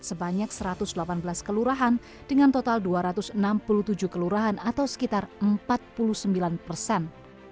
sebanyak satu ratus delapan belas kelurahan dengan total dua ratus enam puluh tujuh kelurahan atau sekitar empat puluh sembilan persen